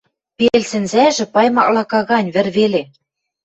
Пел сӹнзӓжӹ пай маклака гань, вӹр веле.